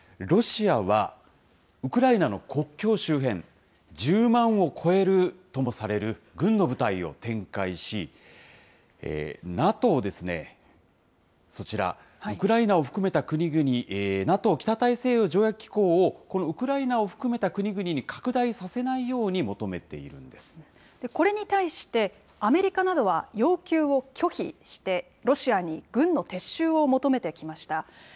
ロシアはウクライナの国境周辺、１０万を超えるともされる軍の部隊を展開し、ＮＡＴＯですね、そちら、ウクライナを含めた国々、ＮＡＴＯ・北大西洋条約機構を、このウクライナを含めた国々に拡大させないように求めているんでこれに対して、アメリカなどは要求を拒否して、ロシアに軍の撤収を求めてきました。